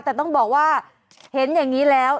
แต่ต้องบอกว่าเห็นอย่างนี้แล้ว